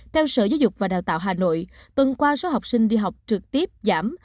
theo sở giáo dục và đào tạo hà nội tuần qua số học sinh đi học trực tiếp giảm